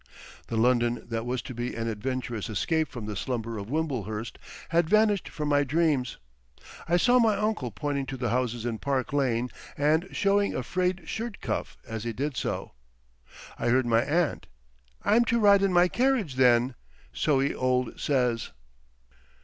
The London that was to be an adventurous escape from the slumber of Wimblehurst, had vanished from my dreams. I saw my uncle pointing to the houses in Park Lane and showing a frayed shirt cuff as he did so. I heard my aunt: "I'm to ride in my carriage then. So he old says."